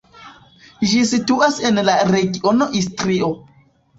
Ĝi situas en la regiono Istrio.